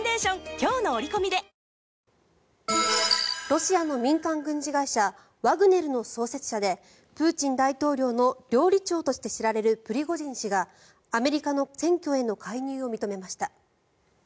ロシアの民間軍事会社ワグネルの創設者でプーチン大統領の料理長として知られるプリゴジン氏がアメリカの選挙への介入を認めました。